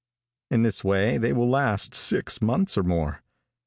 In this way they will last six months or more.